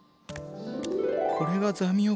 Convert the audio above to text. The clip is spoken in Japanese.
これがザミオクルカス。